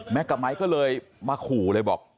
แม็กกับไมค์ก็เลยมาขู่เลยบอก